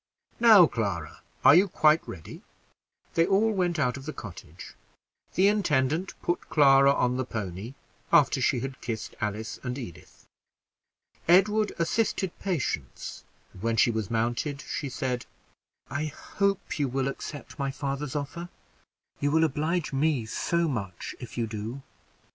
Now, Clara, are you quite ready?" They all went out of the cottage. The intendant put Clara on the pony, after she had kissed Alice and Edith. Edward assisted Patience; and when she was mounted, she said "I hope you will accept my father's offer you will oblige me so much if you do."